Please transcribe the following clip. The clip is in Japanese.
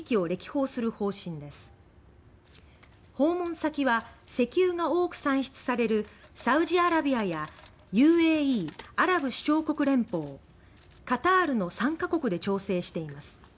訪問先は石油が多く産出されるサウジアラビアやＵＡＥ・アラブ首長国連邦カタールの３か国で調整しています。